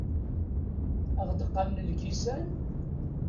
Ad aɣ-d-qamen lkisan?